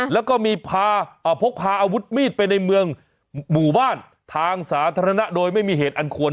แล้วก็มีพาพกพาอาวุธมีดไปในเมืองหมู่บ้านทางสาธารณะโดยไม่มีเหตุอันควร